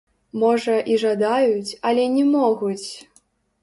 Можа і жадаюць, але не могуць!